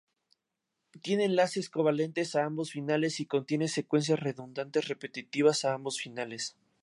Tiene enlaces covalentes a ambos finales y contiene secuencias redundantes, repetitivas a ambos finales.